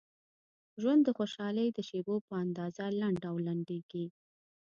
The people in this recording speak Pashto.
ژوند د خوشحالۍ د شیبو په اندازه لنډ او لنډیږي.